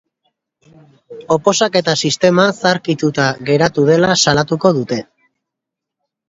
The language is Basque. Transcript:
Oposaketa sistema zaharkituta geratu dela salatuko dute.